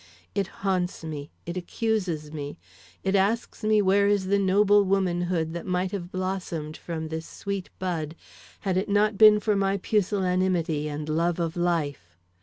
It haunts me, it accuses me. It asks me where is the noble womanhood that might have blossomed from this sweet bud, had it not been for my pusillanimity and love of life?